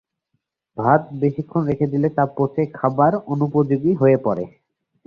ভাত বেশিক্ষণ রেখে দিলে তা পচে খাবার অনুপযোগী হয়ে পড়ে।